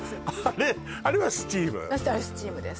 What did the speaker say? あれあれはスチーム？